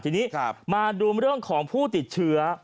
ทีนี้มาดูเรื่องของผู้ติดเชื้อ